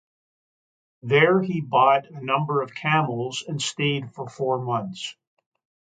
There he bought a number of camels and stayed for four months.